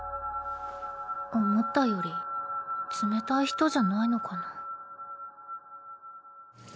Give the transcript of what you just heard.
思ったより冷たい人じゃないのかな。